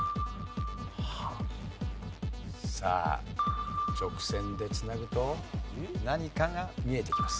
さあ直線でつなぐと何かが見えてきます。